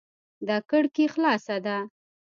دا کړکي خلاصه ده